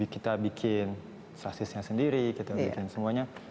kita bikin sasisnya sendiri kita bikin semuanya